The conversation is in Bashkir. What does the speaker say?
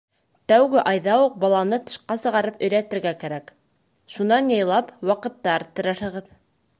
Тәүге айҙа уҡ баланы тышҡа сығарып өйрәтергә кәрәк, шунан яйлап ваҡытты арттырырһығыҙ.